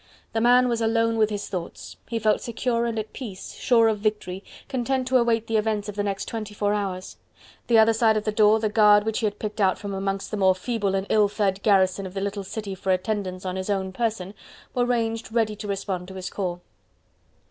The man was alone with his thoughts. He felt secure and at peace, sure of victory, content to await the events of the next twenty four hours. The other side of the door the guard which he had picked out from amongst the more feeble and ill fed garrison of the little city for attendance on his own person were ranged ready to respond to his call.